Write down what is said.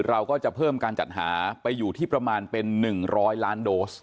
เราก็จะเพิ่มการจัดหาไปอยู่ที่ประมาณเป็น๑๐๐ล้านโดส